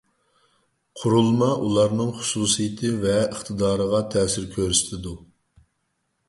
قۇرۇلما ئۇلارنىڭ خۇسۇسىيىتى ۋە ئىقتىدارىغا تەسىر كۆرسىتىدۇ.